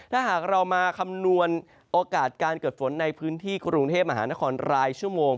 ถ้าหากเรามาคำนวณโอกาสการเกิดฝนในพื้นที่กรุงเทพมหานครรายชั่วโมง